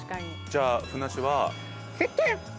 じゃあふなっしーは。